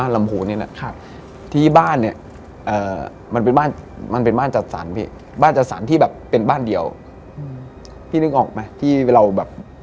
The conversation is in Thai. ดูให้แม่บอกว่า